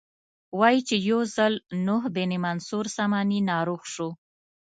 وایي چې یو ځل نوح بن منصور ساماني ناروغ شو.